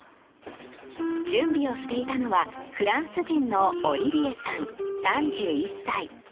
準備をしていたのはフランス人のオリヴィエさん３１歳。